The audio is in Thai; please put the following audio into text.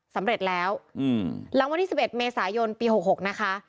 สำเร็จแล้วหลังวันที่๑๑เมษายนปี๖๖นะคะ